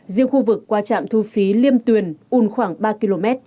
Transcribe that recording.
riêng khu vực qua trạm thu phí liêm tuyền un khoảng ba km